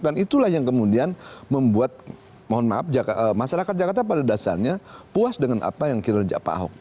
dan itulah yang kemudian membuat mohon maaf masyarakat jakarta pada dasarnya puas dengan apa yang kira kira pak ahok